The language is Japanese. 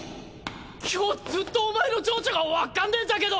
今日ずっとお前の情緒が分かんねぇんだけど！